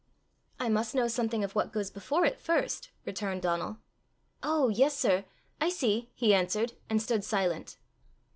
"I must know something of what goes before it first," returned Donal. "Oh, yes, sir; I see!" he answered, and stood silent.